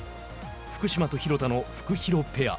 福島と廣田のフクヒロペア。